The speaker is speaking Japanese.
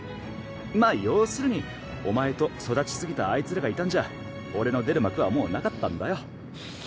ま要するにお前と育ちすぎたあいつらがいたんじゃ俺の出る幕はもうなかったんだよ。